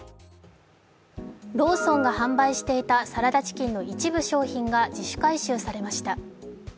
ローソンが販売していたサラダチキンの一部商品が自主回収されました。